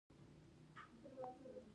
بيا وزگار سوم.